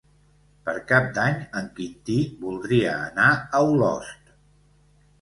Per Cap d'Any en Quintí voldria anar a Olost.